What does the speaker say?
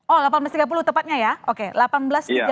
oh seribu delapan ratus tiga puluh tepatnya ya oke